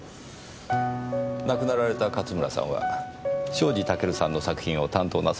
亡くなられた勝村さんは庄司タケルさんの作品を担当なさっていたのですか？